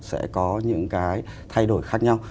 sẽ có những cái thay đổi khác nhau